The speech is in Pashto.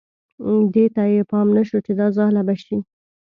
دې ته یې پام نه شو چې دا ځاله به شي.